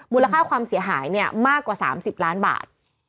ค่าความเสียหายเนี่ยมากกว่า๓๐ล้านบาท